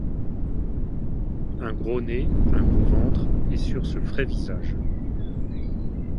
Un gros nez, un gros ventre, et sur ce frais visage